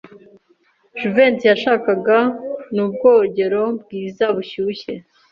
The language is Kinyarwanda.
Jivency yashakaga ni ubwogero bwiza bushyushye.